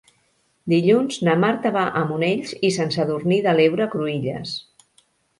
Dilluns na Marta va a Monells i Sant Sadurní de l'Heura Cruïlles.